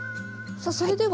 さあそれでは。